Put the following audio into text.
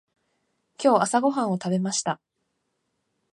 今日朝ごはんを食べました。